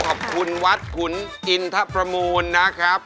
ขอบคุณวัดคุณอินทรัพย์ประมูลนะครับ